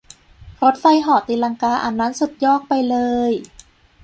รถไฟเหาะตีลังกาอันนั้นสุดยอกไปเลย !